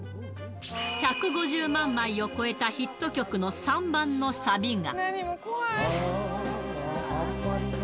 １５０万枚を超えたヒット曲の３番のサビが。